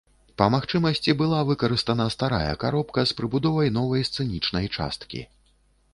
Па магчымасці была выкарыстана старая каробка з прыбудовай новай сцэнічнай часткі.